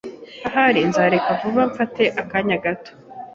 Ahari nzareka vuba mfata akanya gato.